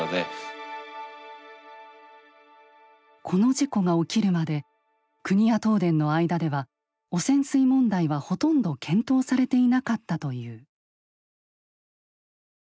この事故が起きるまで国や東電の間では汚染水問題はほとんど検討されていなかったという。